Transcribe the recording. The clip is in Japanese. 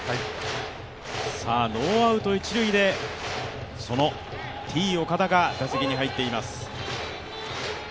ノーアウト一塁で、そのＴ−岡田が打席に入っています。